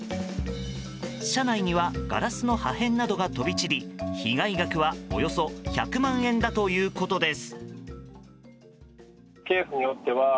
車内にはガラスの破片などが飛び散り被害額はおよそ１００万円だということです。